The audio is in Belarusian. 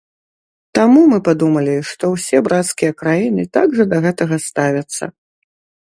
Таму мы падумалі, што ўсе брацкія краіны так жа да гэтага ставяцца.